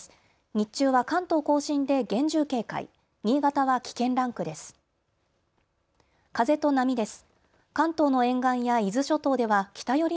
日中は関東甲信で厳重警戒、新潟は危険ランクです。